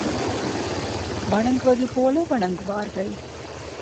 வணங்குவது போல வணங்குவார்கள்.